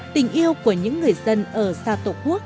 tình yêu của những người dân ở xa tổ quốc